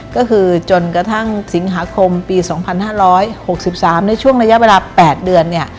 ก็คือจนกระทั่งสิงหาคมปี๒๕๖๓ในช่วงระยะเวลา๘เดือนเนี่ย